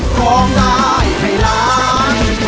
ของได้ให้รัก